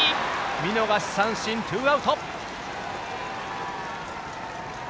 見逃し三振、ツーアウト。